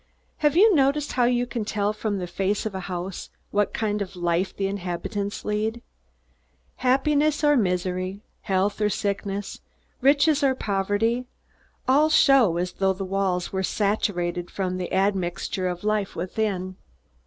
Have you noticed how you can tell from the face of a house what kind of life the inhabitants lead? Happiness or misery, health or sickness, riches or poverty all show as though the walls were saturated from the admixture of life within.